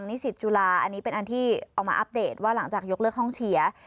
ฯกรณีสิทธิ์จุฬาอันนี้เป็นอันที่เอามาอัพเดทว่าหลังจากยกเลือกห้องเฉีย